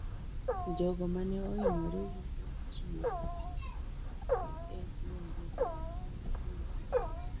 Jogo mane oinyore yudo thieth egwengego mag kb.